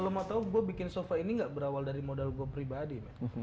kalau mau tau gua bikin sofa ini gak berawal dari modal gua pribadi